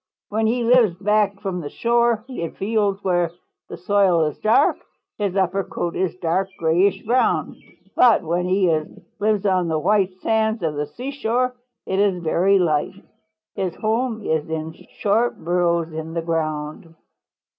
When he lives back from the shore, in fields where the soil is dark, his upper coat is dark grayish brown, but when he lives on the white sands of the seashore it is very light. His home is in short burrows in the ground.